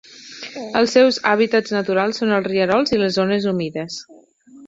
Els seus hàbitats naturals són els rierols i les zones humides.